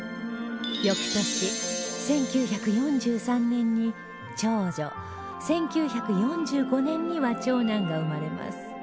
翌年１９４３年に長女１９４５年には長男が生まれます